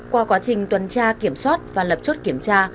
qua quá trình tuần tra kiểm soát và lập chốt kiểm tra